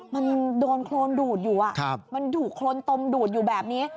มันโดนโครนดูดอยู่มันถูกโครนตมดูดอยู่แบบนี้